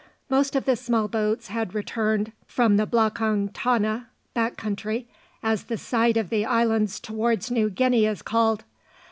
Most of the small boats had returned from the "blakang tana" (back country), as the side of the islands towards New Guinea is called.